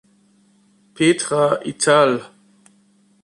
Petra, ital.